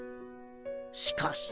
しかしみ